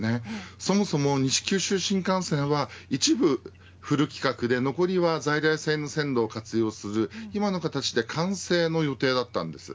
そもそも西九州新幹線は一部フル規格で、残りは在来線の線路を活用する今の形で完成の予定だったんです。